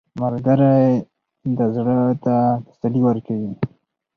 ملګری د زړه ته تسلي ورکوي